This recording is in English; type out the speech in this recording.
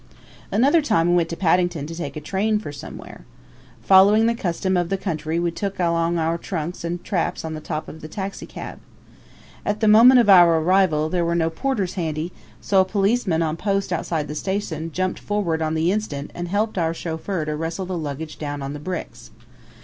Another time we went to Paddington to take a train for somewhere. Following the custom of the country we took along our trunks and traps on top of the taxicab. At the moment of our arrival there were no porters handy, so a policeman on post outside the station jumped forward on the instant and helped our chauffeur to wrestle the luggage down on the bricks.